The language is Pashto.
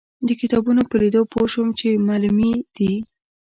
د کتابونو په لیدو پوی شوم چې معلمینې دي.